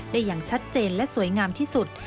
อย่างชัดเจนและสวยงามที่สุด